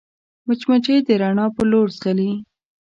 مچمچۍ د رڼا پر لور ځغلي